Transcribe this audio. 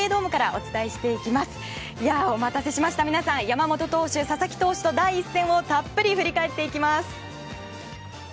お待たせしました、皆さん山本投手、佐々木投手と第１戦をたっぷり振り返っていきます。